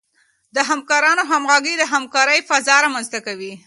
د همکارانو همغږي د همکارۍ فضا رامنځته کوي.